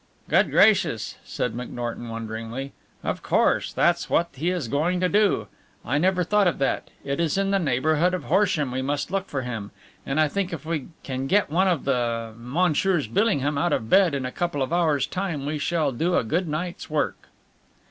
"Good gracious," said McNorton wonderingly, "of course, that's what he is going to do. I never thought of that. It is in the neighbourhood of Horsham we must look for him, and I think if we can get one of the Messrs. Billingham out of bed in a couple of hours' time we shall do a good night's work."